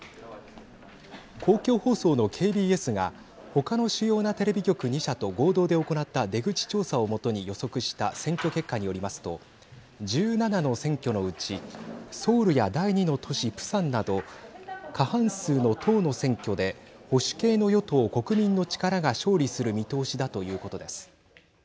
公共放送のＫＢＳがほかの主要なテレビ局２社と合同で行った出口調査を基に予測した選挙結果によりますと１７の選挙のうちソウルや第２の都市プサンなど過半数の１０の選挙で保守系の与党、国民の力が勝利する見通しだということです。